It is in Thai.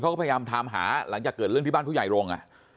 เขาก็พยายามทำหาหลังจากเกิดเรื่องที่บ้านผู้ใหญ่ลง